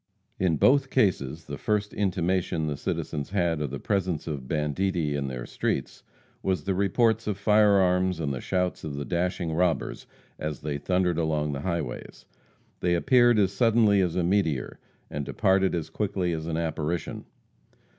In both cases the first intimation the citizens had of the presence of banditti in their streets was the reports of fire arms and the shouts of the dashing robbers as they thundered along the highways. They appeared as suddenly as a meteor, and departed as quickly as an apparition.